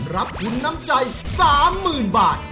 รับทุนน้ำใจ๓๐๐๐บาท